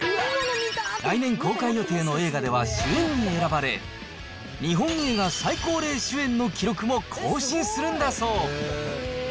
来年公開予定の映画では主演に選ばれ、日本映画最高齢主演の記録も更新するんだそう。